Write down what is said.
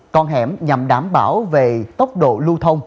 con hẻm nhằm đảm bảo về tốc độ lưu thông